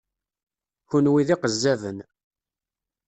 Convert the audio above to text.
Kenwi d iqezzaben!